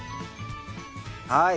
はい。